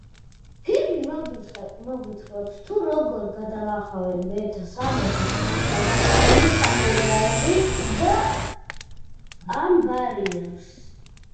ფილმი მოგვითხრობს თუ როგორ გადალახავენ ბერთა სამოსში გადაცმული სამურაები ამ ბარიერს.